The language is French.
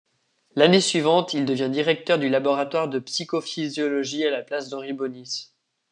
L'année suivante, il devient directeur du laboratoire de psychophysiologie à la place d'Henry Beaunis.